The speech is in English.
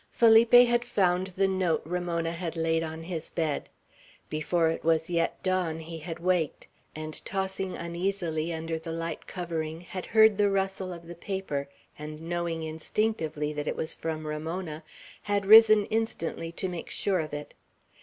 Felipe had found the note Ramona had laid on his bed. Before it was yet dawn he had waked, and tossing uneasily under the light covering had heard the rustle of the paper, and knowing instinctively that it was from Ramona, had risen instantly to make sure of it.